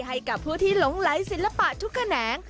ให้กับผู้ที่หลงไหลศิลปะทุกแขนง